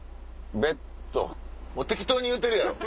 もう適当に言うてるやろ。